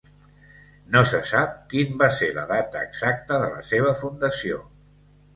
No se sap quin va ser la data exacta de la seva fundació.